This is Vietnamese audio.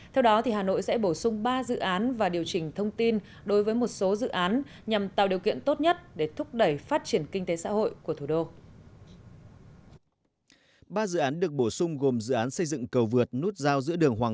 theo đó hà nội sẽ bổ sung ba dự án và điều chỉnh thông tin đối với một số dự án nhằm tạo điều kiện tốt nhất để thúc đẩy phát triển kinh tế xã hội của thủ đô